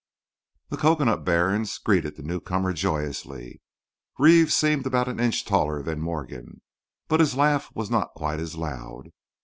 The cocoanut barons greeted the newcomer joyously. Reeves seemed about an inch taller than Morgan, but his laugh was not quite as loud.